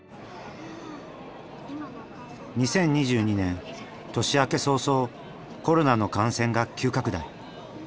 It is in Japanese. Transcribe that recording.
２０２２年年明け早々コロナの感染が急拡大。